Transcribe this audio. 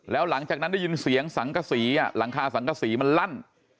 แล้วหลังจากนั้นได้ยินเสียงสังกษีหลังคาสังกษีมันลั่น